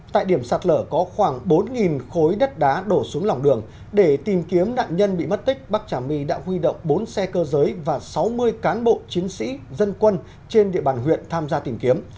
tại điểm sạt lở có khoảng bốn khối đất đá đổ xuống lòng đường để tìm kiếm nạn nhân bị mất tích bắc trà my đã huy động bốn xe cơ giới và sáu mươi cán bộ chiến sĩ dân quân trên địa bàn huyện tham gia tìm kiếm